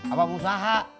apa mau usaha